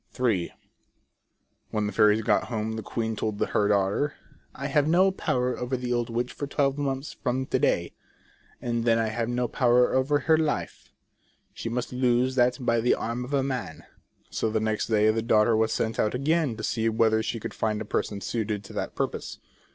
4 The Fairies of Caragonan. III. When the fairies got home the queen told her daughter :" I have no power over the old witch for twelve months from to day, and then I have no power over her life. She must lose that by the arm of a man." So the next day the daughter was sent out again to see whether she could find a person suited to that purpose.